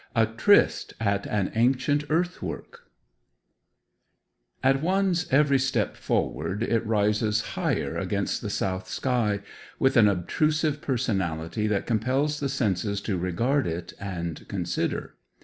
A TRYST AT AN ANCIENT EARTH WORK At one's every step forward it rises higher against the south sky, with an obtrusive personality that compels the senses to regard it and consider.